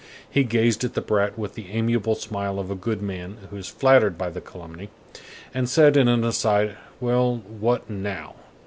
He gazed at the brat with the amiable smile of a good man who is flattered by the calumny, and said in an aside: "Well, what now?